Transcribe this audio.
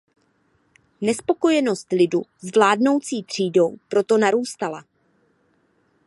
Nespokojenost lidu s vládnoucí třídou proto narůstala.